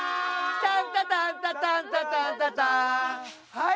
はい！